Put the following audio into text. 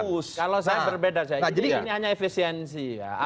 kalau saya berbeda saya ini hanya efisiensi